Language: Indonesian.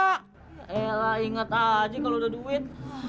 ya elah inget aja kalo udah duit